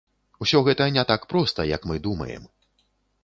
Усё гэта не так проста, як мы думаем.